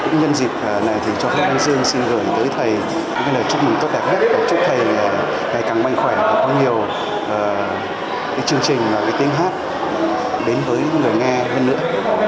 nhân dịp này cho phép đăng dương xin gửi tới thầy chúc mừng tốt đẹp nhất và chúc thầy càng mạnh khỏe và có nhiều chương trình tiếng hát đến với người nghe hơn nữa